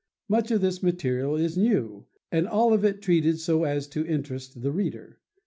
Much of this material is new and all of it treated so as to interest the reader.